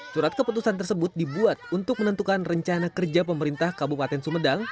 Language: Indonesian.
surat keputusan tersebut dibuat untuk menentukan rencana kerja pemerintah kabupaten sumedang